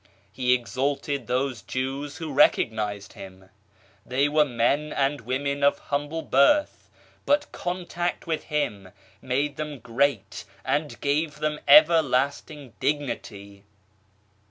He exalted those Jews who recognized Him. They were men and women of humble birth, but contact with Him made them great and gave them everlasting dignity.